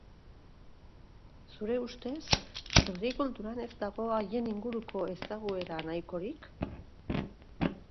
Zure ustez, herri kulturan ez dago haien inguruko ezaguera nahikorik?